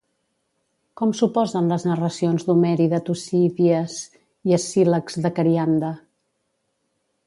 Com s'oposen les narracions d'Homer i de Tucídies i Escílax de Carianda?